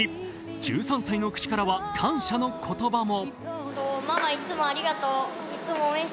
１３歳の口からは感謝の言葉も。